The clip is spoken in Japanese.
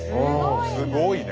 すごいな。